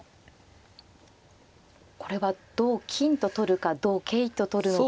これは同金と取るか同桂と取るのか。